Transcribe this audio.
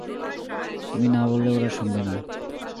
তুমি না বললে ওরা শুনবে না।